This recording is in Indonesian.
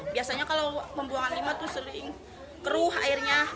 biasanya kalau pembuangan lima tuh sering keruh airnya